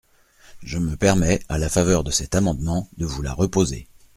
Je me permets, à la faveur de cet amendement, de vous la reposer.